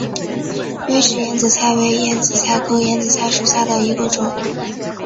微齿眼子菜为眼子菜科眼子菜属下的一个种。